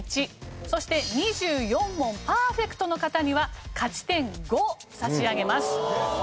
そして２４問パーフェクトの方には勝ち点５差し上げます。